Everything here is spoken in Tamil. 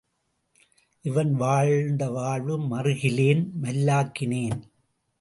இவன் வாழ்ந்த வாழ்வு மறுகிலேன் மல்லாக்கினேன்.